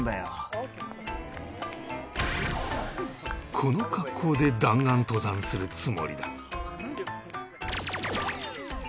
この格好で弾丸登山するつもりだ